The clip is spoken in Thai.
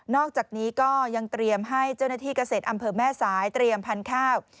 อกจากนี้ก็ยังเตรียมให้เจ้าหน้าที่เกษตรอำเภอแม่สายเตรียมพันธุ์ข้าว